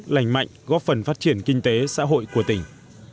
lành mạnh góp phần phát triển kinh tế xã hội của tỉnh